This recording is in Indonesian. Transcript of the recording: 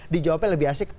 dijawabnya lebih asik